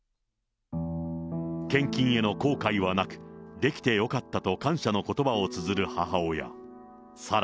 献金への後悔はなく、できてよかったと感謝のことばをつづる母親。